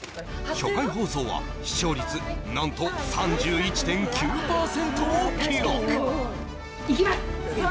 初回放送は視聴率何と３１．９％を記録行きます